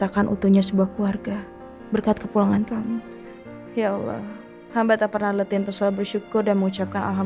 kau bukan seseorang yang nah